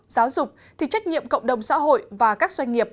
giáo dục thì trách nhiệm cộng đồng xã hội và các doanh nghiệp